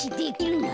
ん？